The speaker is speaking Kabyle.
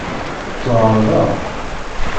Ttwaεerḍeɣ?